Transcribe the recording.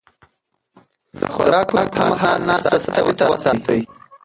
د خوراک پر مهال ناسته ثابته وساتئ.